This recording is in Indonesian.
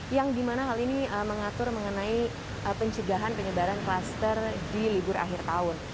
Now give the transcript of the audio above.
yang dimana hal ini mengatur mengenai pencegahan penyebaran kluster di libur akhir tahun